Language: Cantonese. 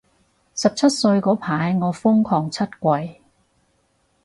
十七歲嗰排我瘋狂出櫃